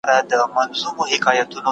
بهرنۍ پانګونه هېواد ته ټیکنالوژي راوړي.